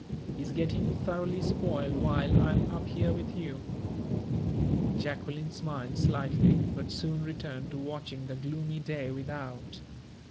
He is getting thoroughly spoiled while I am up here with you." Jacqueline smiled slightly, but soon returned to watching the gloomy day without.